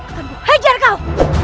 akan gue hejar kau